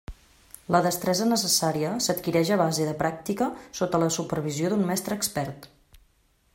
La destresa necessària s'adquireix a base de pràctica sota la supervisió d'un mestre expert.